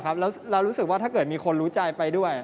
แล้วเรารู้สึกว่าถ้าเกิดมีคนรู้ใจไปด้วย